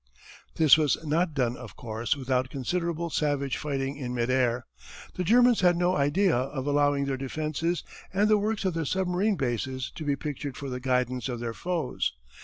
This was not done of course without considerable savage fighting in mid air. The Germans had no idea of allowing their defences and the works of their submarine bases to be pictured for the guidance of their foes.